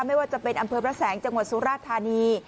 ไม่ว่าจะเป็นอำเภอพระแสงจังหวัดสุราธานี